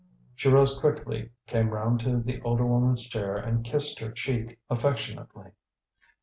She rose quickly, came round to the older woman's chair and kissed her cheek affectionately.